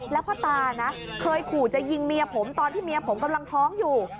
แล้วพ่อตานะเคยขู่จะยิงเมียผมตอนที่เมียผมกำลังท้องอยู่